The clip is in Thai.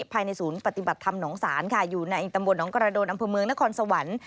ภายในศูนย์ปฏิบัติธรรมหนองศาลค่ะอยู่ในตำบลหนองกระโดนอำเภอเมืองนครสวรรค์